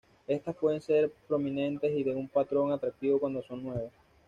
Estas pueden ser prominentes y de un patrón atractivo cuando son nuevas.